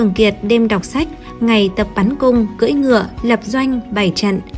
nhật đêm đọc sách ngày tập bắn cung cưỡi ngựa lập doanh bày trận